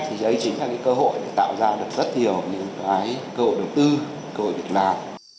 thì đây chính là cơ hội tạo ra được rất nhiều những cơ hội đầu tư cơ hội việt nam